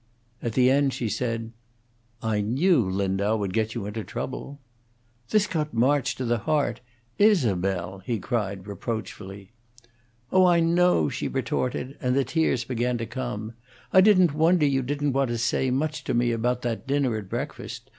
At the end she said, "I knew Lindau would get you into trouble." This cut March to the heart. "Isabel!" he cried, reproachfully. "Oh, I know," she retorted, and the tears began to come. "I don't wonder you didn't want to say much to me about that dinner at breakfast.